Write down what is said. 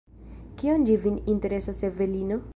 Kion ĝi vin interesas, Evelino?